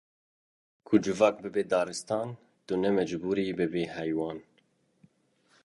Ku civak bibe daristan, tu ne mecbûr î bibî heywan!